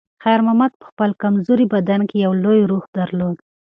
خیر محمد په خپل کمزوري بدن کې یو لوی روح درلود.